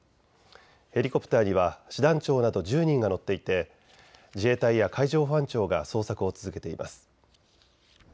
ヘリコプターには師団長など１０人が乗っていて自衛隊や海上保安庁が捜索を続けています。